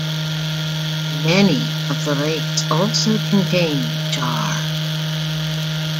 Many of the lakes also contain char.